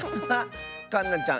かんなちゃん